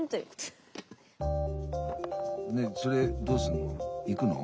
それどうすんの？